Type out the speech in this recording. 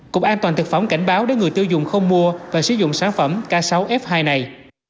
cục an toàn thực phẩm cảnh báo để người tiêu dùng không mua và sử dụng sản phẩm k sáu f hai này